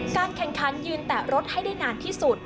การแข่งขันยืนแตะรถให้ได้นานที่สุด